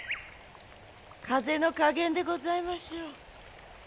風の加減でございましょう。